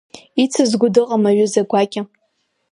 Ицызго дыҟам аҩыза гәакьа!